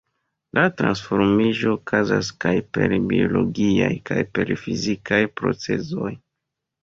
La transformiĝo okazas kaj per biologiaj kaj per fizikaj procezoj.